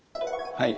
はい。